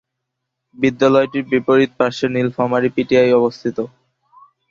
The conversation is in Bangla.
বিদ্যালয়টির বিপরীত পার্শ্বে নীলফামারী পি টি আই অবস্থিত।